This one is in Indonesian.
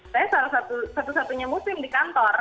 saya salah satu satunya muslim di kantor